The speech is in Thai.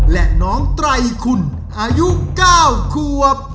และน้องไตรคุณอายุเก้าควบ